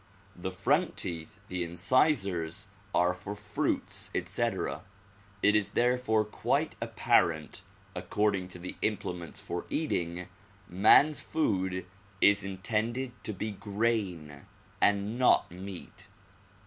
The front teeth, the incisors, are for fruits, etc. It is therefore quite apparent according to the implements for eating, man 's food is intended to be grain and not meat.